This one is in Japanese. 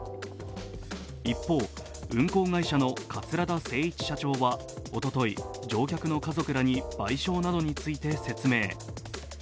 一方、運航会社の桂田精一社長はおととい、乗客の家族らに賠償などについて説明。